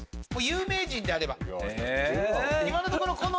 有名人であれば。